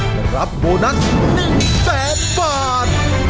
จะรับโบนัส๑แสนบาท